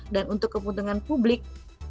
dan untuk keuntungan publik